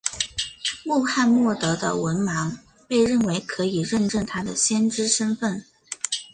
穆罕默德的文盲被认为可以认证他的先知身份。